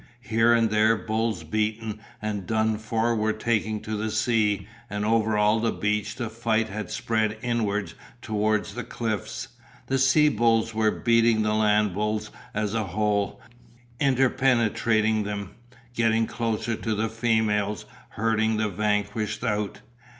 Here and there bulls beaten and done for were taking to the sea and over all the beach the fight had spread inwards towards the cliffs. The sea bulls were beating the land bulls as a whole, interpenetrating them, getting closer to the females, herding the vanquished out.